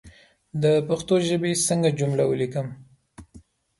د پښتو ژبى څنګه جمله وليکم